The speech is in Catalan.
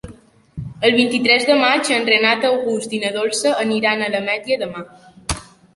El vint-i-tres de maig en Renat August i na Dolça aniran a l'Ametlla de Mar.